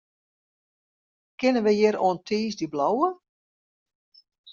Kinne wy hjir oant tiisdei bliuwe?